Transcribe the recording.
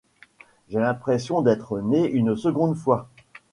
J'ai l'impression d'être né une seconde fois.